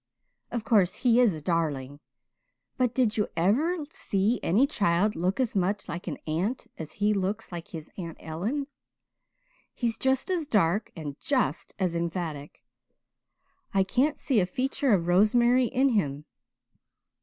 Of course, he is a darling. But did you ever see any child look as much like an aunt as he looks like his Aunt Ellen? He's just as dark and just as emphatic. I can't see a feature of Rosemary in him.